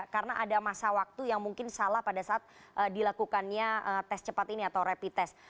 karena ada masa waktu yang mungkin salah pada saat dilakukannya tes cepat ini atau rapid test